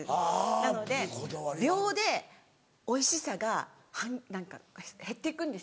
なので秒でおいしさが何か減っていくんですよね。